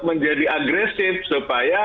menjadi agresif supaya